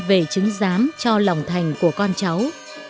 để chứng giám cho lòng thành của con cháu